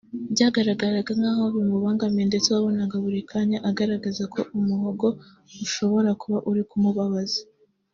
Byagaragaraga nk’aho bimubangamiye ndetse wabonaga buri kanya agaragaza ko umuhogo ushobora kuba uri kumubabaza